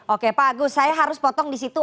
oke bagus saya harus potong di situ